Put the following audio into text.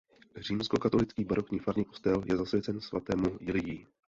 Římskokatolický barokní farní kostel je zasvěcen svatému Jiljí.